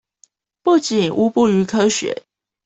不僅無補於科學